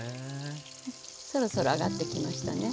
そろそろ揚がってきましたね。